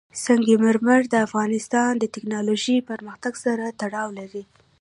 سنگ مرمر د افغانستان د تکنالوژۍ پرمختګ سره تړاو لري.